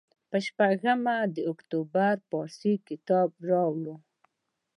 پر شپږمه د اکتوبر پارسي کتاب راوړ.